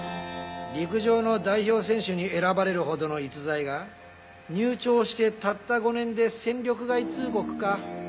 陸上の代表選手に選ばれるほどの逸材が入庁してたった５年で戦力外通告か。